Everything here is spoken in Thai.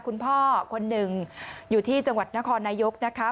คุณพ่อคนหนึ่งอยู่ที่จังหวัดนครนายกนะคะ